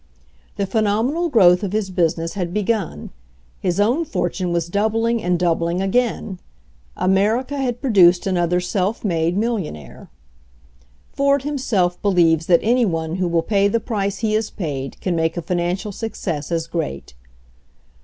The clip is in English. The phenomenal growth of his business had begun. His own fortune was doubling and doubling again. America had produced another self made millionaire. Ford himself believes that any one who will pay the price he has paid can make a financial suc cess as great.